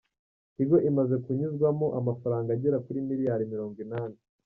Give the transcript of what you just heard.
Tigo imaze kunyuzwamo amafaranga agera kuri miliyari Mirongo Inani